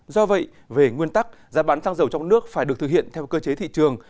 do vậy về nguyên tắc giá bán xăng dầu trong nước phải được thực hiện theo cơ chế thị trường